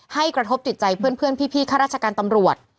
กระทบจิตใจเพื่อนพี่ข้าราชการตำรวจ